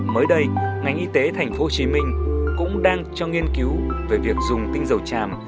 mới đây ngành y tế tp hcm cũng đang cho nghiên cứu về việc dùng tinh dầu chàm